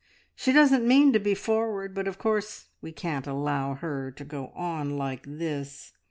She doesn't mean to be forward, but of course we can't allow her to go on like this.